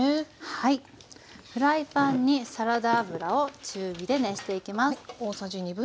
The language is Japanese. はいフライパンにサラダ油を中火で熱していきます。